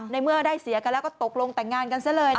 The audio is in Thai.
เมื่อได้เสียกันแล้วก็ตกลงแต่งงานกันซะเลย